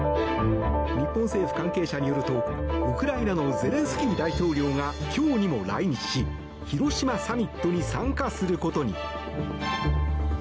日本政府関係者によるとウクライナのゼレンスキー大統領が今日にも来日し広島サミットに参加することに。